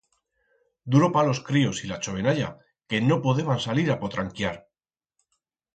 Duro pa los críos y la chovenalla que no podeban salir a potranquiar.